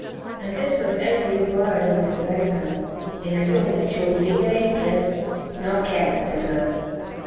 And this was every word of his welcome, in a tone that showed neither interest nor care for the girl.